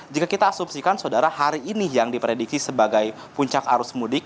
jika kita asumsikan saudara hari ini yang diprediksi sebagai puncak arus mudik